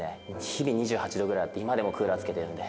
日々２８度ぐらいあって今でもクーラーつけてるんで。